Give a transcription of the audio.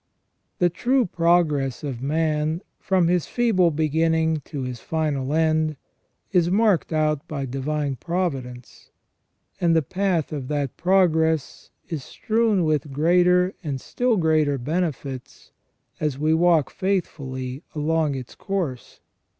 The true progress of man, from his feeble beginning to his final end, is marked out by Divine Providence, and the path of that progress is strewn with greater and still greater benefits as we walk faithfully along its course.